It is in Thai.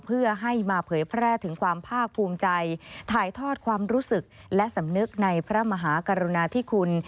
เพื่อให้มาเผยแพร่ถึงความภาคภูมิใจถ่ายทอดความรู้สึกและสำนึกในพระมหากรุณาธิคุณ